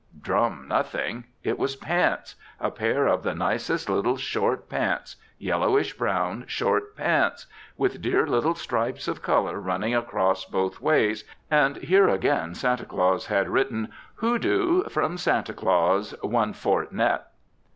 Drum nothing! It was pants a pair of the nicest little short pants yellowish brown short pants with dear little stripes of colour running across both ways, and here again Santa Claus had written, "Hoodoo, from Santa Claus, one fort net."